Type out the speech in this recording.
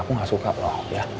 aku nggak suka loh ya